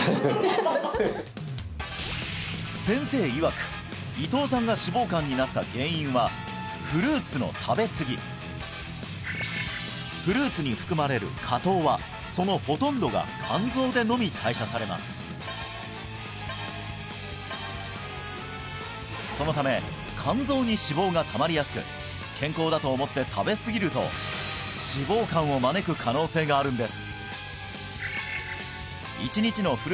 先生いわく伊藤さんが脂肪肝になった原因はフルーツの食べすぎフルーツに含まれる果糖はそのそのため肝臓に脂肪がたまりやすく健康だと思って食べすぎると脂肪肝を招く可能性があるんです